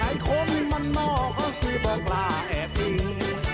คนมันนอกก็ซื้อบอกลาแอบดี